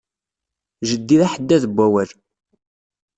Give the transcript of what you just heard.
Jeddi d aḥeddad n wawal.